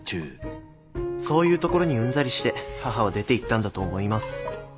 そういうところにうんざりして母は出ていったんだと思います。